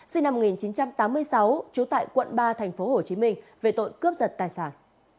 sinh năm một nghìn chín trăm tám mươi sáu trú tại quận ba tp hồ chí minh về tội cướp giật tài sản